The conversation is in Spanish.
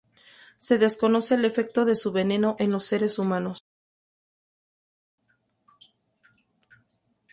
Se desconoce el efecto de su veneno en los seres humanos.